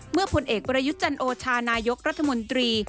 ผลเอกประยุทธ์จันโอชานายกรัฐมนตรี